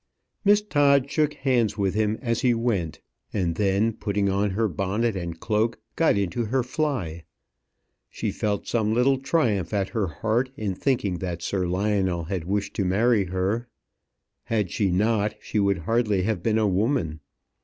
Miss Todd shook hands with him as he went, and then, putting on her bonnet and cloak, got into her fly. She felt some little triumph at her heart in thinking that Sir Lionel had wished to marry her. Had she not, she would hardly have been a woman.